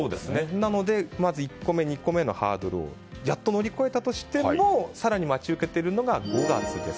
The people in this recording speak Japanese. なので１個目、２個目のハードルをやっと乗り越えたとしても更に待ち受けているのが５月です。